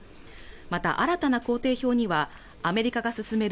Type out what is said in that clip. また新たな工程表にはアメリカが進める